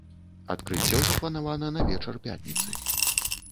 Адкрыццё запланавана на вечар пятніцы.